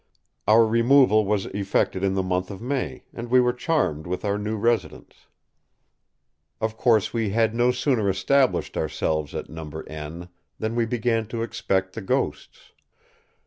Our removal was effected in the month of May, and we were charmed with our new residence. Of course we had no sooner established ourselves at No. — than we began to expect the ghosts.